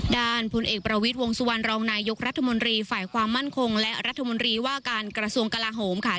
ผลเอกประวิทย์วงสุวรรณรองนายยกรัฐมนตรีฝ่ายความมั่นคงและรัฐมนตรีว่าการกระทรวงกลาโหมค่ะ